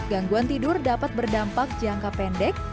gangguan tidur dapat berdampak jangka pendek